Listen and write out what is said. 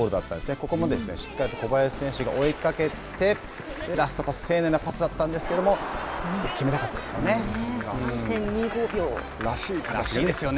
ここもしっかりと小林選手が追いかけて丁寧なパスだったんですけれども決めたかったですよね。